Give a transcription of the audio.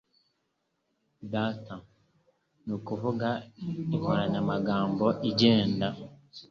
Data, nukuvuga, inkoranyamagambo igenda.